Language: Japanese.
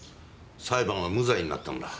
裁判は無罪になったんだ